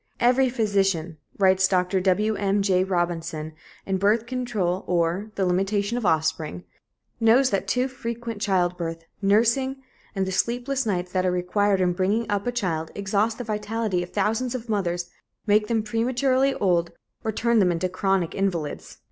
"Every physician," writes Dr. Wm. J. Robinson in Birth Control or The Limitation of Offspring, "knows that too frequent childbirth, nursing and the sleepless nights that are required in bringing up a child exhaust the vitality of thousands of mothers, make them prematurely old, or turn them into chronic invalids."